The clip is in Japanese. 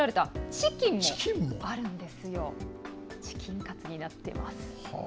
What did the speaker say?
チキンカツになっています。